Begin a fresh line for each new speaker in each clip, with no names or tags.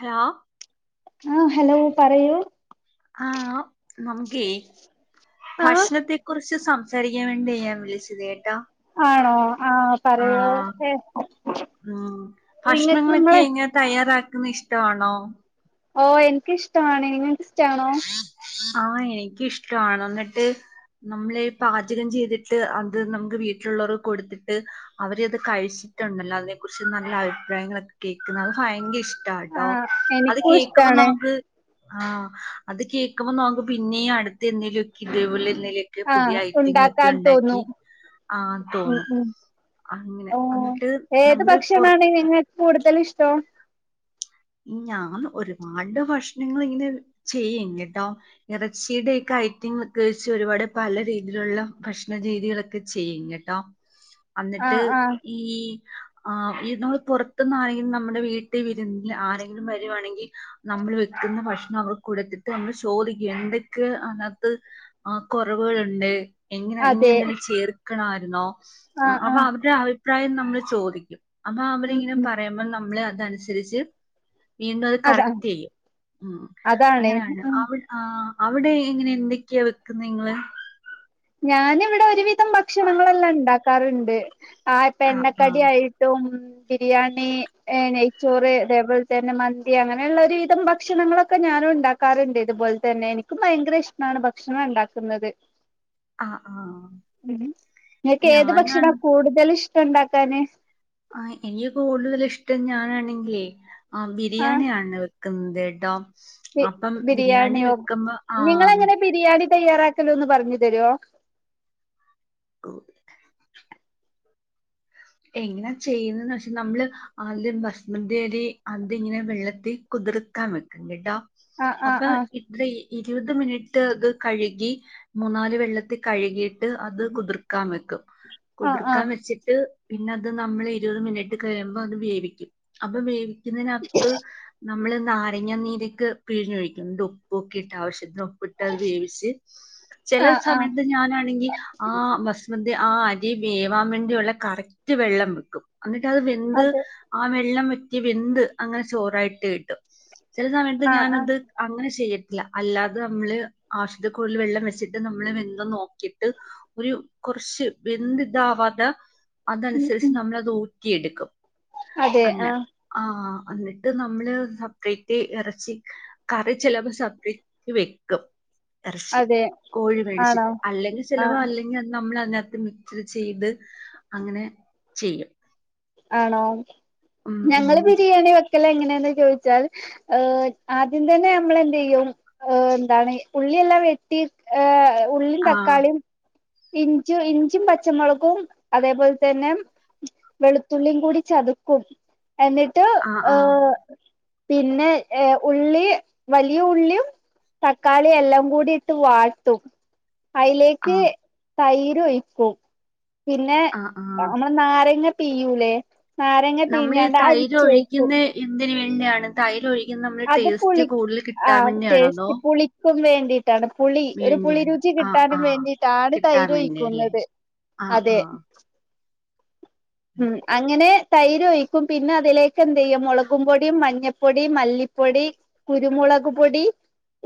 Hello
ആ hello പറയൂ
ആ നമുക്കേ
ആഹ്
ഭക്ഷണത്തെ കുറി ച്ച് സംസാരിക്കാൻ വേണ്ടിയ ഞാൻ വിളിച്ചത്
ആണോ ആ
ആ
പറയോ എ
ഉം
നിങ്ങക്ക് നിങ്ങള്
ന്നിഷ്ടാണോ
ഓ എനക്കിഷ്ടാണ് ഇസ് ട്ടാണോ
ആ എനിക്കിഷ്ടാണ് ന്നിട്ട് നമ്മള് പാചകം ചീതിട്ട് അത് നമുക്ക് വീട്ടിലുള്ളവർക്ക് കൊടുത്തിട്ട് അവര് അത് കഴിച്ചിട്ടുണ്ടല്ലോ അതെ കുറിച്ച് നല്ല അഭിപ്രായങ്ങളൊക്കെ കേക്കുന്നത് അതൊക്കെ ഭയങ്കര ഇഷ് ടാട്ടോ
ആഹ്
അത്
എനിക്കും
കേകുമ്പോ
ഇഷ്ടാണ്
നമുക്ക് ആ അത് കേക്കുമ്പോ നമുക്ക് പിന്നെ അടുത്ത് എന്തേലും ഒ ഇത് പോലെ [unintelligible] പുതിയ
ആഹ്
ഐറ്റങ്ങളൊക്കെ
ഉണ്ടാക്കാൻ
ഉണ്ടാക്കി
തോന്നും
ആഹ്
ഉം
തോന്നും
ഉം
അങ്ങനെ
ഓ
എന്നിട്ട് നമ്മള് പുറത്ത്
ടോം
ഞാൻ ഒരുപാട് ഭക്ഷണങ്ങൾ ഇങ്ങനെ ചെയ്യും കേട്ടോ ഇറച്ചിയുടെക്കെ ഐറ്റങ്ങളൊക്കെ വെച്ച് ഒരുപാട് പല രീതിയിലുള്ള ഭക്ഷണ രീതികളൊക്കെ ചെയ്യും കേട്ടോ അന്നിട്ട്
ആഹ് ആഹ്
ഈ ആ ഈ നമ്മൾ പുറത്തന്നാരെങ്കിലും നമ്മുടെ വീട്ടി വിരുന്ന് ആരെങ്കിലും വരുവാണെങ്കി നമ്മൾ വെക്കുന്ന ഭക്ഷണം അവർക്ക് കൊടുത്തിട്ട് നമ്മൾ ചോദിക്കും എന്തക്കെ അതിനകത്ത് കുറവുകളുണ്ട് എങ്ങനെ ഇനി
അതെ
എന്തെലും ചേർ ക്കണവാരുന്നോ?
ആഹ്
അപ്പ
ആഹ്
അവരുടെ ആ ഒ രഭിപ്രായം നമ്മള് ചോദിക്കും അപ്പൊ
ഉം
അവരിങ്ങനെ
ഉം
പറയുമ്പ നമ്മള് അതനുസരിച്ച് വീണ്ടും അത്
അതാ
കറക്റ്റ് ചെയ്യും ഉം
അതാണ്
അങ്ങനെയാണ്
ഉം
അവൾ ആ അവിടെ എങ്ങനെ എന്തൊക്കെയാ വെക്കുന്നത് നിങ്ങള്?
ഞാനിവിടെ ഒരുവിധം ഭക്ഷണങ്ങളെല്ലാം ഇണ്ടാക്കാറുണ്ട് ആ ഇപ്പൊ എണ്ണക്കടി ആയിട്ടും ബിരിയാണി നെയ്ച്ചോറ് തേപോലെ തന്നെ മന്തി അങ്ങനെയുള്ള ഒരുവിധം ഭക്ഷണങ്ങളൊക്കെ ഞാനും ഉണ്ടാക്കാറുണ്ട്. ഇതുപോലെ തന്നെ എനിക്കും ഭയങ്കര ഇഷ്ടമാണ് ഭക്ഷണം ഇണ്ടാക്കുന്നത്
ആ ആ
ഉം നിനക്ക് ഏത്
ഞാനാണ്
ഭക്ഷണം കൂടുതല് ഇഷ് ഉണ്ടാക്കാന്
ആണെങ്കിലേ ആ ബിരിയാണിയ ആണ് ഇവി കന്ദേ ഡാം [unintelligible]
ബിരിയാണിയോ നിങ്ങളെങ്ങനെ ബിരിയാണി തയ്യാറാക്ക ക്കല് ഒന്ന് പറഞ്ഞു തരുമോ
എങ്ങനാ ചെയ്യുന്നന്ന് വെച്ചാ നമ്മള് ആദ്യം ബസുമതി അരി അതിങ്ങനെ വെള്ളത്തിൽ കുതിർക്കാൻ വെക്കും കേട്ടോ
ആ ആ
അപ്പം
ആ
ഇത്ര ഈ ഇരുപത് മിനിറ്റ് അത് കഴുകി മൂന്നാല് വെള്ളത്തിൽ കഴുകിട്ട് ട്ട് അത് കുതിർക്കാൻ വെക്കും
ആ ആ
കുതിർക്കാൻ വെച്ചിട്ട് പിന്നെ അത് നമ്മൾ ഇരുപത് മിനിറ്റ് കഴിയുമ്പോ അത് വേവിക്കും അപ്പൊ വേവി ഇതിനത്ത് നമ്മള് നാരങ്ങ നീരൊക്കെ പിഴിഞ്ഞൊഴിക്കും എന്നിട്ട് ഉപ്പും ഓക്കെ ഇട്ട ആവശ്യ ഉപ്പിട്ട് അത് വേവിച്ച് ചില
ആ ആ
സമയത്ത് ഞാനാണെങ്കിൽ ആ ബസുമതി ത് ആ അരി വേവാൻ വേണ്ടിയുള്ള കറക് റ്റ് വെള്ളം വെക്കും എന്നിട്ട് അത് വെന്ത്
അതെ
ആ വെള്ളം ഈ വെന്ത് അങ്ങനെ ചോറായിട്ട് കിട്ടും ചില സമയത്ത്
ആ ആ
ഞാനത് അങ്ങനെ ചെയ്യും ല്ല അല്ലാതെ നമ്മള് ആശുത്തിക്കുറിൽ വെള്ളം വെച്ചിട്ട് നമ്മള് വെന്ത നോക്കിട്ട് ഒരു കുറച്ച് വെന്ത് ഇതാവാത്ത
ഉം
അതനുസരിച്ച്
ഉം
നമ്മളത് ഊറ്റിയെടുക്കും
അതെ
അങ്ങനെ
ആ
ആ എന്നിട്ട് നമ്മള് സെപ്പറേറ്റ് ഇറച്ചി കറി ചിലപ്പോ സെപ്പറേറ്റ് വെക്കും ഇറച്ചി
അതെ
കോഴി
ആണോ
മേടിച്ചിട്ട് അല്ലെങ്കിൽ
ആ
ചിലവ അല്ലെങ്കിൽ അ നമ്മൾ മിക്സ് ചെയ്ത് അങ്ങനെ ചെയ്യും
ആണോ
ഉം ഉം
ഞങ്ങള് ബിരിയാണി വ ക്ക്ൽ എങ്ങനെയന്ന് ചോദിച്ചാൽ ആദ്യം തന്നെ നമ്മൾ എന്ത് ചെയ്യും എന്താണ് ഉള്ളിയെല്ലാം വെട്ടി ഉള്ളി
ആ
തക്കാളിയും ഉ ഇഞ്ചും ഇഞ്ചും പച്ചമുളകും അതേപോലെ തന്നെ വെള്ത്തുള്ളിം കൂടി ചത്ക്കും എന്നിട്ട്
ആ ആ
ഹ് പിന്നെ ഏ ഉള്ളി വലിയ ഉള്ളിം തക്കാളി എല്ലം കൂടി ഇട്ട് വാട്ടും
ആ
അയ്ലേക്ക് തൈരൊഴിക്കും. പിന്നെ
ആ ആ
നമ്മൾ നാരങ്ങ പീയൂലെ നാരങ്ങ പിഴിഞ്ഞാണ്ട് അരിച്ച് ഒഴിക്കും
[unintelligible] തൈരൊഴി
അത് പുളി ആ
വേണ്ടിയാണോ അതോ
ടേസ്റ്റ് പുളിക്കും വേ ക്കാണ് പുളി ഒര്
വേണ്ടിയാണ്
പുളിരുചി
ആ
കിട്ടാനും
ആ
വേണ്ടീട്ടാണ്
കിട്ടാൻ വേണ്ടിയല്ലേ
തൈരാെയ്ക്കുന്നത്
ആഹ്
അതെ
ആഹ്
ഉം അങ്ങനെ തൈരൊയ്ക്കും പിന്നെ അതിലേക്ക് എന്തെയ്യും മൊളകും പൊടിം മഞ്ഞപ്പൊടി മല്ലിപ്പൊടി കുരുമുളക് പൊടി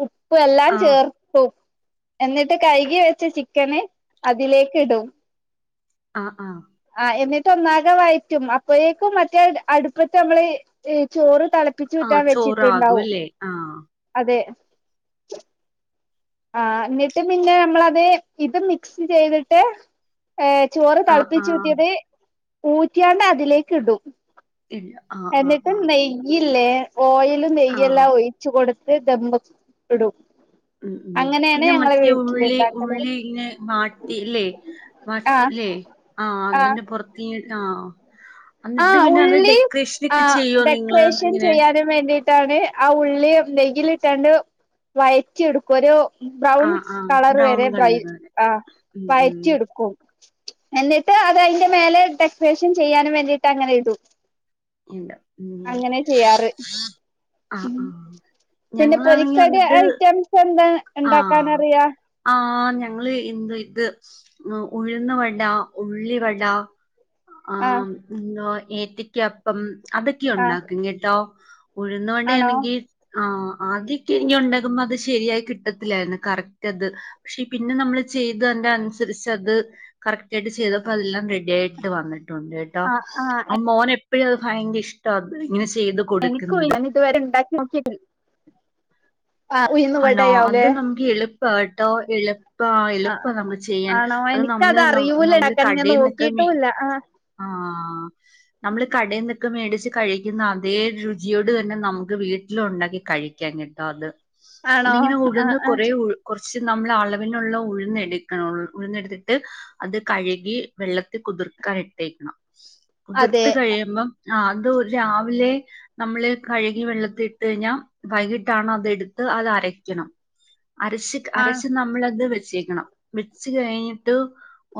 ഉ പ്പും എല്ലാം
ആഹ്
ചേർത്തു എന്നിട്ട് കൈകി വെച്ച ചിക്കന് അതിലേക്ക് ഇടും.
ആഹ് ആഹ്
ആ എന്നി ട്ടൊന്നാകെ വഴറ്റും. അപ്പഴേക്കും മറ്റേ അടുപ്പത്ത് ഞമ്മള് ചോറ്
ആഹ്
തളപ്പിച്ചുറ്റാൻ
ചോറാകും
വെച്ചിട്ടുണ്ടാവും.
അല്ലേ ആഹ്
അതെ ആഹ് എന്നിട്ട് പിന്നെ നമ്മളത് ഇത് മിക്സ് ചെയ്തിട്ട് ഏ ചോറ്
ആഹ് ആഹ്
തളപ്പിച്ചൂറ്റിയത് ഊറ്റിയാണ്ട് അതിലേക്ക് ഇടും.
ഇല്ല ആഹ് ആഹ് ആഹ്
ഇല്ലെ ഓയിലും
ആഹ്
നെയ്യെല്ലാം ഒഴിച്ച് കൊടു ത്ത് ദമ്മ് ഇടും.
ഉം ഉം
അങ്ങനെയാണ്
പിന്നെ
ഞങ്ങളെ
മറ്റേ
വീട്ടില്
ഉള്ളി
ഇണ്ടാക്കല്
ഉള്ളി ഇങ്ങേ വാട്ടില്ലേ
ആഹ്
ല്ലേ ആഹ് അതിന്റെ പൊറത്ത്ങ്ങ ആഹ്
ആ
എന്നിട്ട് പിന്നെ അത്
ഉള്ളി ആ
ഡെക്കറേഷനൊക്കെ ചെയ്യോ നിങ്ങള്
ഡെക്കറേഷൻ
ഇങ്ങനെ
ചെയ്യാനും വേണ്ടി ട്ടാണ് ആ ഉള്ളി നെയ്യ്ലിട്ടാണ്ട് വയറ്റി എടുക്കും ഒരു ബ്രൗൺ
ആഹ് ആഹ്
കളറ്
ബ്രൗൺ
വരെ ബ്രയ്
കളറ്
ആ
ഉം ഉം
വയറ്റി എടുക്കും എന്നിട്ട് അത് അയിന്റെ മേലെ ഡെക്കറേഷൻ ചെയ്യാനും വേണ്ടി ട്ടങ്ങനെ ഇടും
ഇല്ല ഉം
അങ്ങനെ ചെയ്യാറ്
ആഹ്
ഉം
ആഹ്
പിന്നെ
ഞങ്ങളാണെങ്കി
പൊരിക്കടി
എന്നിട്ട്
ഐറ്റംസ് എന്താ
ആഹ്
ഇണ്ടാക്കാനറിയാ
ആഹ് ഞങ്ങള് ന്ത് ഇത് ഉഴുന്ന് വട, ഉള്ളിവട
ആഹ്
ആമ്മ് [unintelligible] ഏത്തക്ക പ്പം അതൊക്കെ
ആഹ്
ഒണ്ടാക്കും കേട്ടോ ഉഴുന്നു വട
ആണോ
ആണങ്കി ആഹ് ആദ്യക്കെ എനിക്ക്‌ ഒണ്ടകുമ്പോ അത് ശരിയായി കിട്ടത്തില്ലായിരുന്നു കറക്റ്റ് അത് പക്ഷേ പിന്നെ നമ്മള് ചെയ്തന്റെ അനുസരിച്ച് അത് കറക്റ്റായിട്ട് ചെയ്തപ്പോ അതെല്ലാം റെഡി ആയിട്ട് വന്ന് ടുണ്ട് [unintelligible] ട്ടോ
ആഹ് ആഹ്
മോന് ഇപ്പോഴ് അത് ഭയങ്കര ഇഷ്ട അത് ഇങ്ങനെ ചെ -
എനിക്കും ഞാൻ ഇതുവരെ ഇണ്ടാക്കി നോക്കിട്ടി ആഹ് ഉഴുന്ന്
ആണോ അത്
വടയാവുലേ
നമുക്ക് എളുപ്പാ കേട്ടോ ഇള് ഇപ്പ എളുപ്പം നമ്മള് ചെയ്യാൻ
ആണോ
അത് നമ്മള്
എനിക്കത് അറിയൂല
നമ്മള്
ഇണ്ടാക്കാന് ഞാൻ
കടെന്നൊക്കെ മെ
നോക്കിട്ടുല്ല ആഹ്
ആ നമ്മള് കടയിൽന്നൊക്കെ മേടിച്ച് കഴിക്കുന്ന അതേ രുചിയോട് തന്നെ നമുക്ക് വീട്ടില് ഒണ്ടാക്കി കഴിക്കാൻ കെട്ടോ അത്
ആണോ
അതിങ്ങനെ
ആഹ്
ഉഴുന്ന്
ആഹ്
കൊറേ ഉഴുന്ന് കൊറച്ച് ഫസ്റ്റ് നമ്മള് അളവിനുള്ള ഉഴുന്നെടുക്കണം ഉഴുന്നെടുത്തിട്ട് അത് കഴുകി വെള്ളത്തിൽ കുതിർക്കാൻ ഇട തേക്കണം [unintelligible] കുതിർത്ത്
അതെ
കഴിയുമ്പം - ആ അത് രാവിലെ നമ്മള് കഴുകി വെള്ളത്തിലിട്ട് കഴിഞ്ഞാൽ വൈകിട്ടാണ് അതെടുത്ത് അത് അരക്കണം അരശ്
ആഹ്
അരച്ച് നമ്മളത് വെ വെച്ചേക്കണം വെച്ച് കഴിഞ്ഞിട്ട്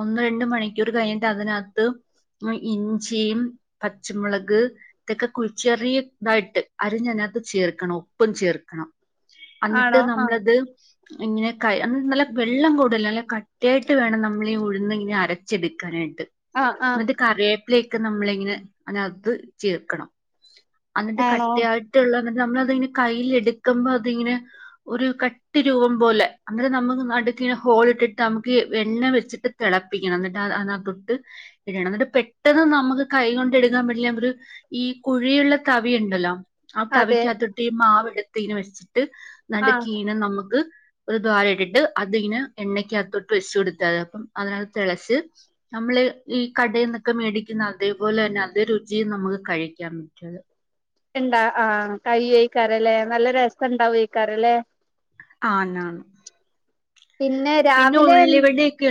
ഒന്ന് രണ്ട് മണിക്കൂർ കഴിഞ്ഞിട്ട് അതിനാത്ത്- ഇഞ്ചിയും പച്ചമുളക് ഇതൊക്കെ കുഴി ച്ചെറിയതായിട്ട് അരഞ്ഞ് അതിനകത്ത് ചേർക്കണം ഉപ്പും ചേർക്കണം അന്നിട്ട്
ആണോ ആഹ്
നമ്മളത്- ഇങ്ങനെ ക നല്ല വെള്ളം കൂടല്ല് നല്ല കട്ടിയായിട്ട് വേണം നമ്മൾ ഈ ഉഴുന്ന് ഇങ്ങനെ അരച്ചെടുക്കാനായിട്ട്
ആഹ് ആഹ്
മറ്റെ കറിയേ- അതിലേക്ക് നമ്മളിങ്ങനെ അതിനകത്ത് ചേർക്കണം എന്നിട്ട്
ആണോ
കട്ടി ആയിട്ടുള്ള എന്നിട്ട് നമ്മള് അത് കൈയിൽ എടുക്കുമ്പോ അതിങ്ങനെ ഒരു കട്ടി രൂപം പോലെ അന്നേരം നമ്മുക്ക് നടുക്കിങ്ങനെ ഹോളിട്ടിട്ട് നമുക്ക് എണ്ണ വെച്ചിട്ട് തിളപ്പിക്കണം എന്നിട്ട് അതിനാത്തോട്ട് ഇടണം എന്നിട്ട് പെട്ടെന്ന് നമുക്ക് കൈ കൊണ്ട് എടുക്കാൻ പറ്റില്ല ഒരു ഈ കുഴിയുള്ള തവി ഉണ്ടല്ലോ? ആ
അതെ
തവിക്കാത്ത് ഇട്ട് ഈ മാവെടു തീന [unintelligible] ന്നിട്ട്
ആഹ്
നടുക്ക് ഇതിനെ നമുക്ക് ഒരു ദ്വാരം ഇട്ടിട്ട് അതിങ്ങനെ എണ്ണക്ക് അത്തോട്ട് വെച്ച് കൊടുത്താതി അപ്പം അതിനകത്ത് തിളച്ച് നമ്മള് ഈ കടയിൽ നിന്നൊക്കെ മേടിക്കുന്ന അതേപോലെ തന്നെ അതേ രുചിയിൽ നമുക്ക് കഴിക്കാൻ പറ്റുമത്.
ഇണ്ടാ ആഹ് കൈ കഴിക്കാറല്ലേ നല്ല രസം ഇണ്ടാവും ഈക്കാറല്ലേ?
ആന്നാന്നു
പിന്നെ രാവിലെ എൻ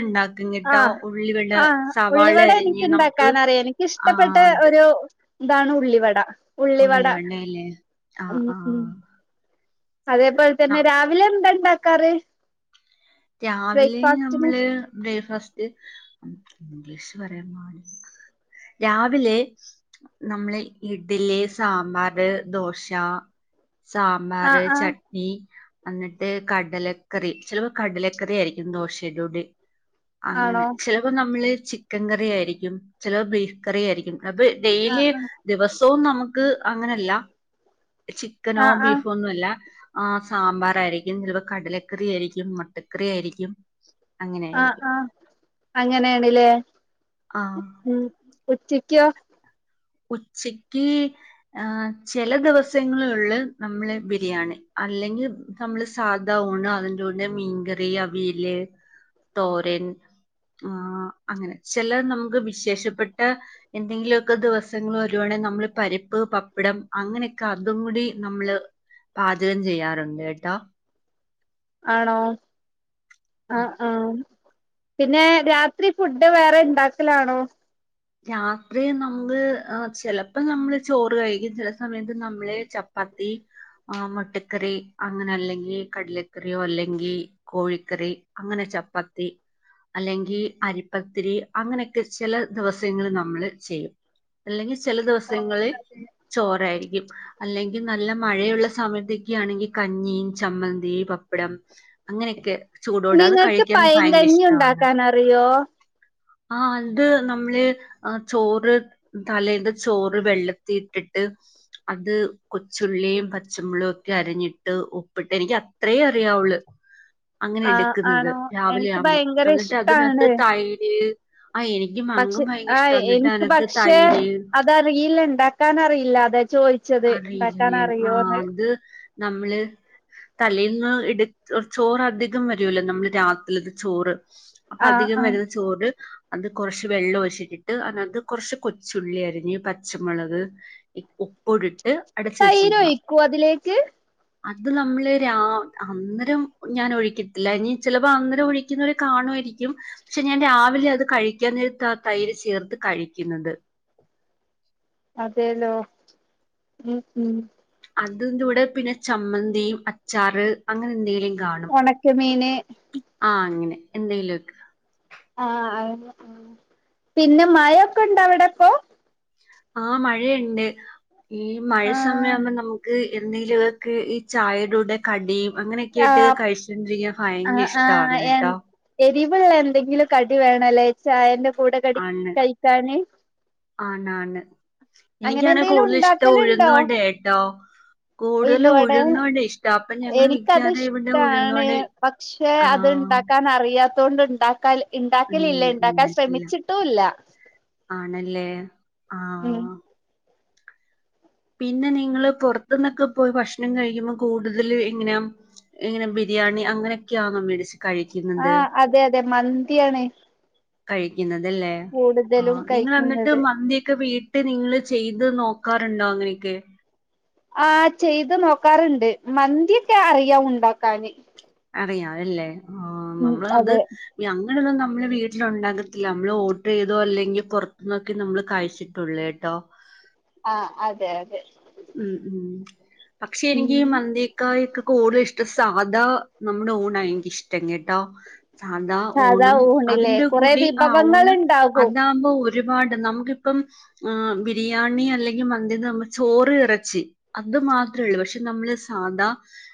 ഉണ്ടാക്കും
ആ
കേട്ടോ ഉള്ളിവട
ആ
സവാള
ഉള്ളിവടെ
അരിഞ്ഞ്
എനിക്ക്
നമുക്ക്
ഇണ്ടാക്കാൻ അറിയാം
ആ
എനിക്കിഷ്ടപ്പെട്ട ഒരു ഇതാണ് ഉള്ളിവട ഉള്ളിവട
ഉള്ളിവടേ ലേ. ആ,
ഉം
ആ
ഉം അതേപോലെ തന്നെ രാവിലെ എന്താ ഇണ്ടാക്കാറ്?
രാവിലെ
ബ്രേക്ക്ഫാസ്റ്റിന്
നമ്മള് ബ്രേക്ക്ഫാസ് ഇംഗ്ലീഷ് പറയാൻ പാടില്ല. രാവിലെ നമ്മള് ഇഡ്ലി, സാമ്പാറ്, ദോശ സാമ്പാർ,
ആഹ് ആഹ്
ചട്നി അന്നിട്ട് കടലക്കറി [unintelligible] കടലക്കറി ആയിരിക്കും ദോശയുടെ കൂടെ. അങ്ങനെ
ആണോ
ചെലപ്പോ നമ്മള്, ചിക്കൻ കറിയായിരിക്കും. ചെലപ്പോ ബീഫ് കറി ആയിരിക്കും. അപ്പൊ
ആഹ്
ഡെയിലി
ആഹ്
ദിവസവും നമുക്ക് അങ്ങനല്ല ചിക്കനോ
ആഹ് ആഹ്
ബീഫോ ഒന്നുംല്ല ആ സാമ്പാർ ആയിരിക്കും. ചെലപ്പോ കടലക്കറി ആയിരിക്കും, മുട്ടക്കറി ആയിരിക്കും.
ആ
അങ്ങനെയായിരിക്കും.
ആ അങ്ങനേണിലേ.
ആഹ്
ഉം കൊച്ചി ക [unintelligible]
ഉച്ചക്ക് ആ ചെല ദിവസങ്ങൾ ഉള്ളു നമ്മള് ബിരിയാണി അല്ലെങ്കിൽ നമ്മള് സാദ ഊണ് അതിന്റെ കൂടെ മീൻകറി അവിയല് തോരൻ ആ അങ്ങനെ ചില നമുക്ക് വിശേഷപ്പെട്ട എന്തെങ്കിലുമൊക്കെ ദിവസ ദിവസങ്ങൾ വരുവാണങ്ങിൽ നമ്മള് പരിപ്പ് പപ്പടം അങ്ങനെയൊക്കെ അതും കൂടി നമ്മള് പാചകം ചെയ്യാറുണ്ട് കേട്ടാ
ആണോ ആ ആ പിന്നെ രാത്രി ഫുഡ് വേറെ ഇണ്ടാക്കലാണോ
രാത്രി നമ്മള്ചിലപ്പോ നമ്മള് ചോറ് കഴിക്കും ചില സമയത്ത് നമ്മള് ചപ്പാത്തി ആ മുട്ടക്കറി അങ്ങനെ അല്ലെങ്കി കടലക്കറിയോ അല്ലെങ്കി കോഴിക്കറി അങ്ങനെ ചപ്പാത്തിയും അല്ലെങ്കി അരിപ്പത്തിരി അങ്ങനെയൊക്കെ ചില ദെവസങ്ങൾ നമ്മള് ചെയ്യും അല്ലെങ്കിൽ ചില
ആഹ്
ദെവസങ്ങളിൽ
അതെ
ചോറായിരിക്കും അല്ലെ നല്ല മഴയുള്ള സമയത്തൊക്കെ ആണെങ്കിൽ കഞ്ഞീം ചമ്മന്തി പപ്പടം അങ്ങനെയൊക്കെ ചൂടോടെ അത്
നിങ്ങക്ക്
കഴിക്കാൻ ഭയങ്കര
പയങ്കഞ്ഞി
ഇഷ്ടമാണ്
ഉണ്ടാക്കാൻറിയോ
ആ അന്ത് നമ്മള് ആ ചോറ് തലേന്ന് ചോറ് വെള്ളത്തി ഇട്ടിട്ട് അത് കൊച്ചുള്ളിയും പച്ചമുളുക് ഒക്കെയും അരഞ്ഞിട്ട് ഉപ്പിട്ട് എനിക്ക് അത്രേ അറിയാവുള്ളു അങ്ങനെ
ആ
എടുക്കുന്നത്
ആണോ
രാവിലെ
എനിക്ക്
ആവുമ്പം
ഭയങ്കര
എന്നിട്ട് അതിനകത്ത്
ഇഷ്ടാണ്
തൈര് ആ എനി
പക്ഷെ ആഹ് എനിക്ക് പക്ഷേ
തൈര്
അത് അറിയില്ലണ്ട് ഉണ്ടാക്കാ അറിയില്ല അത ചോദിച്ചത് ഉണ്ടാക്കാൻ
അറിയില്ലേ ആ
അറിയോന്ന്
അത് നമ്മള് തലൽന്ന് ഇടു ചോറ അധികം വരുല്ലോ നമ്മള് രാത്രിത് ചോറ് അപ്പൊ
ആ
അധികം
ആ
വരുന്ന ചോറ് അത് കുറച്ച് വെള്ളം ഒച്ചിട്ടിട്ട് അതിനത് കുറച്ച് കൊച്ചുള്ളി അരിഞ്ഞ് പച്ചമുളക് [unintelligible]
തൈര്
വെച്ചിരിക്കണം
ഒഴിക്കൂ അതിലേക്ക്
അത് നമ്മള് രാ അന്നേരം ഞാൻ ഒഴിക്കത്തില്ല ഇനി ചിലപ്പോ അന്നേരം ഒഴിക്കുന്നവരെ കാണുമായിരിക്കും പക്ഷെ ഞാൻ രാവിലെ അത് കഴിക്കാൻ നേരത്ത് ആ തൈര് ചേർത്ത് കഴിക്കുന്നത്
അതേലോ ഉ ഉ
അതിന്റെ കൂടെ പിന്നെ ചമ്മന്തിയും അച്ചാറ് അങ്ങനെ എന്തെങ്കിലും കാണും
ഉണക്ക മീന്
എന്തെലുംക്ക
[unintelligible] ആ പിന്നെ മഴൊക്കെ ഉണ്ട അവിടെപ്പൊ
ആ മഴയുണ്ട് ഈ മഴ
ആ
സമയ ആവുമ്പോ നമുക്ക് എന്തെങ്കിലുമൊക്കെ ഈ ചായയുടെടുടെ കടിയും അങ്ങനെയൊക്കെ
ആ
ആട്ട് കഴിച്ചണ്ടിരിക്കാൻ ഭയങ്കര ഇഷ്ടാണ് കെട്ടോ
ദീപുള്ള എന്തെങ്കിലും കടി വേണല്ലോ ചായന്റെ കൂടെ കടി
ആണ്
കഴിക്കാന്
ആണാണ്
അങ്ങനെ
എനിക്കാണ
എന്തെലും
കൂടുതൽ ഇഷ്ടം ഉഴുന്ന്വട കേട്ടോ കൂടുതൽ
ഉഴുന്ന്വട
ഉഴുന്നുവട ഇഷ്ടം അപ്പൊ ഞങ്ങൾ
എനിക്കത്
മിക്കവാറും ഇവിടെ
ഇഷ്ടാണ്
ഉഴുന്നുവട
പക്ഷെ
ആ
അത്ണ്ടാക്കാൻ അറിയാത്ത അതുകൊണ്ട് ഉണ്ടാക്കാല്
ഉ ഉന്നട്ടില്ല ആണല്ലേ
ഉം
ആഹ പിന്നെ നിങ്ങള് പുറത്തു നിന്നൊക്കെ പോയി ഭക്ഷണം കഴിക്കുമ്പോൾ കൂടുതൽ ഇങ്ങന ഇങ്ങനെ ബിരിയാണി അങ്ങനെയൊക്കെയാ മേടിച്ച
ആ അതെ അതെ മന്തിയാണ്
കൈ തല്ലേ ആ
കൂടുതലും
നിങ്ങൾ എന്നിട്ട്
കഴിക്കുന്നത്
മന്തിയൊക്കെ വീട്ട് ട്ട് നിങ്ങള് ചെയ്ത് നോക്കാറുണ്ടോ അങ്ങനെയൊക്കെ
ആ ചെയ്ത് നോക്കാറ്ണ്ട് മന്തിയൊക്കെ അറിയാം ഉണ്ടാക്കാന്
അറിയാം അല്ലേ ആ
ഉം
നമ്മള് അത്
അതെ
അങ്ങനൊന്നും നമ്മള് വീട്ടിലണ്ടകത്തില്ല നമ്മള് ഓർഡർ ചെയ്തോ അല്ലെങ്കിൽ പുറത്തന്നൊക്കെ നമ്മള് കഴിച്ചിട്ടുള്ളേ ട്ടോ
ആഹ അതെ അതെ
ഉം ഉം പക്ഷെ
ഉം
എനിക്ക് ഈ മന്തിയെ ക്കാളൊക്കെ കൂടുതൽ ഇഷ്ട്ടം സ സാധാ നമ്മുടെ ഊണാ എനിക്കിഷ്ടം കേട്ടോ സാധാ
സാധാ
ഊണും
ഊണില്ലേ
അതിന്റെ
കൊറെ
കൂടി ആ
വിഭവങ്ങൾ
ഊണ്
ഇണ്ടാകും
അതകുമ്പോ ഒരു ഒരുപാട് നമുക്കിപ്പോ മ്മ് ബിരിയാണി അല്ലെങ്കിൽ മന്തിയെ സംബന്ധിച്ച് ചോ ഇറച്ചി അത് മാത്രേ ഉള്ളൂ പക്ഷെ നമ്മള് സാധാ